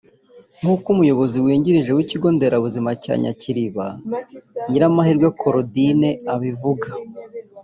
nk’uko Umuyobozi wungirije w’ikigo nderabuzima cya Nyakiriba Nyiramahirwe Claudine abivuga